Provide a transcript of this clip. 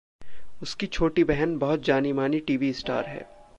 उसकी छोटी बहन बहुत जानीमानी टीवी स्टार है।